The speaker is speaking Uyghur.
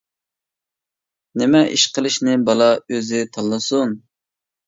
نېمە ئىش قىلىشنى بالا ئۆزى تاللىسۇن.